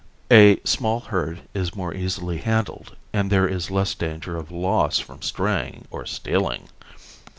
A small herd is more easily handled, and there is less danger of loss from straying or stealing.